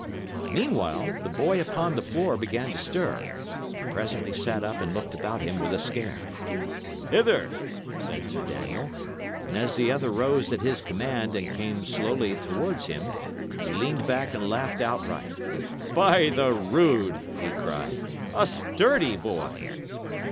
Meanwhile, the boy upon the floor began to stir, and presently sat up and looked about him with a scare. "Hither," said Sir Daniel; and as the other rose at his command and came slowly towards him, he leaned back and laughed outright. "By the rood!" he cried, "a sturdy boy!"